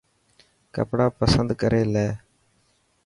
ڪپڙا پسند ڪري لي.